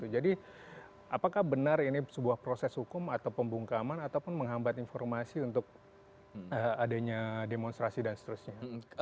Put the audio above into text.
jadi apakah benar ini sebuah proses hukum atau pembungkaman ataupun menghambat informasi untuk adanya demonstrasi dan seterusnya